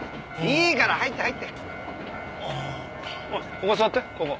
ここ座ってここ。